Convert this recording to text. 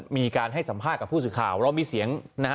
มีการให้สัมภาษณ์กับผู้สื่อข่าวเรามีเสียงนะฮะ